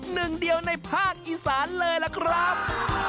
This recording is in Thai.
หนึ่งเดียวในภาคอีสานเลยล่ะครับ